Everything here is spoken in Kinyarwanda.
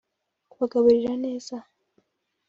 kubagaburira neza